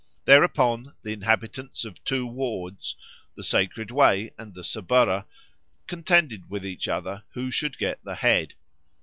Thereupon the inhabitants of two wards the Sacred Way and the Subura contended with each other who should get the head.